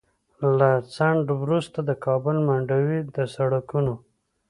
له ځنډ وروسته د کابل منډوي د سړکونو